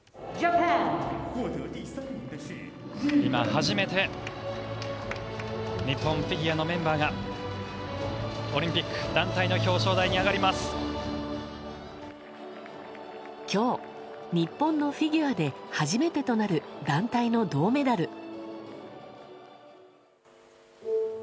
今初めて、日本フィギュアのメンバーが、オリンピック団体の表彰台に上がきょう、日本のフィギュアで初めてとなる団体の銅メダル。